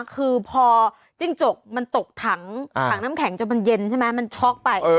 คือพอจิ้งจกมันตกถังถังน้ำแข็งจนมันเย็นใช่ไหมมันช็อกไป